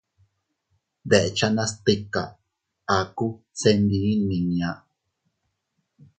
Dekchanas tika, aku se ndi nmiña.